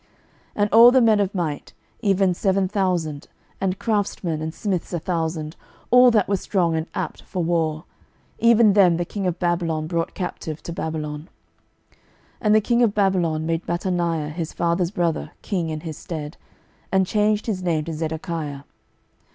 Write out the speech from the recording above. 12:024:016 And all the men of might, even seven thousand, and craftsmen and smiths a thousand, all that were strong and apt for war, even them the king of Babylon brought captive to Babylon. 12:024:017 And the king of Babylon made Mattaniah his father's brother king in his stead, and changed his name to Zedekiah.